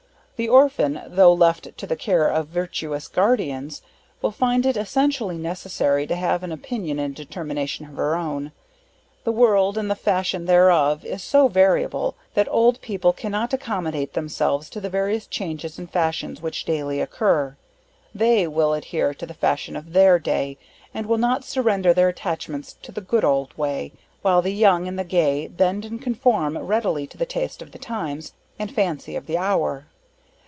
The orphan, tho' left to the care of virtuous guardians, will find it essentially necessary to have an opinion and determination of her own. The world, and the fashion thereof, is so variable, that old people cannot accommodate themselves to the various changes and fashions which daily occur; they will adhere to the fashion of their day, and will not surrender their attachments to the good old way while the young and the gay, bend and conform readily to the taste of the times, and fancy of the hour.